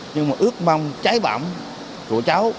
nhưng mà ước mong trái bỏng của cháu